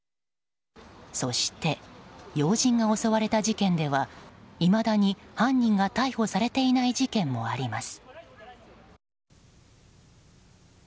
そして要人が襲われた事件ではいまだに犯人が逮捕されていない事件もあります。